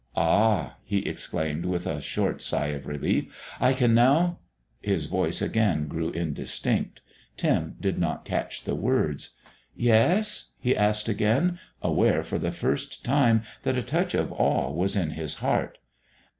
"Ah!" he exclaimed with a short sigh of relief, "I can now " His voice again grew indistinct; Tim did not catch the words. "Yes?" he asked again, aware for the first time that a touch of awe was in his heart.